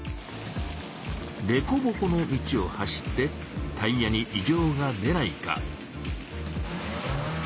でこぼこの道を走ってタイヤにいじょうが出ないか。